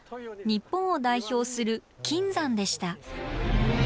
日本を代表する金山でした。